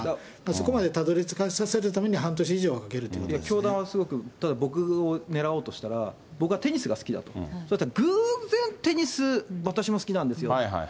そこまでたどりつかさせるために半年以上は、かけるということで教団はすごく、例えば僕を狙おうとしたら、僕はテニスが好きだと、そしたら偶然テニス、私も好きなんですと。